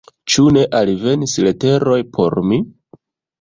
Ĉu ne alvenis leteroj por mi?